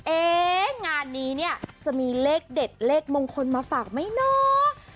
งานนี้เนี่ยจะมีเลขเด็ดเลขมงคลมาฝากไหมเนาะ